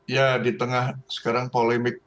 ya di tengah sekarang polemik